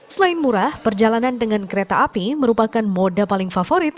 selain murah perjalanan dengan kereta api merupakan moda paling favorit